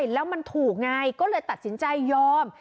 แล้วมันถูกไงก็เลยตัดสินใจยอม